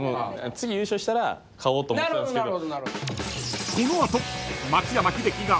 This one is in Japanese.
次優勝したら買おうと思ってたんすけど。